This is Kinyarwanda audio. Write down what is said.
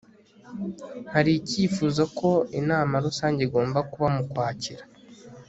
hari icyifuzo ko inama rusange igomba kuba mu kwakira